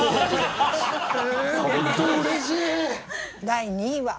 第２位は。